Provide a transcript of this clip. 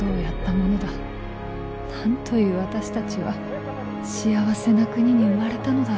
なんという私たちは幸せな国に生まれたのだろう」。